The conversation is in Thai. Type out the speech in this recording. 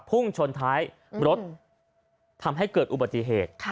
พุ่งชนท้ายรถทำให้เกิดอุบัติเหตุ